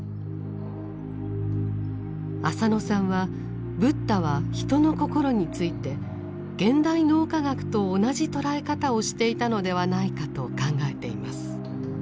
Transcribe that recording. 浅野さんはブッダは人の心について現代脳科学と同じ捉え方をしていたのではないかと考えています。